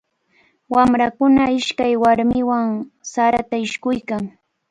Wamrakuna ishkay warmiwan sarata ishkuykan.